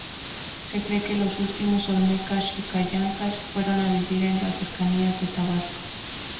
Se cree que los últimos olmeca-xicallancas fueron a vivir en las cercanías de Tabasco.